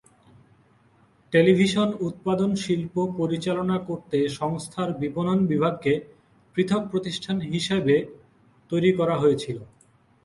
Television উৎপাদন শিল্প পরিচালনা করতে সংস্থার বিপণন বিভাগকে পৃথক প্রতিষ্ঠান হিসাবে তৈরি করা হয়েছিল।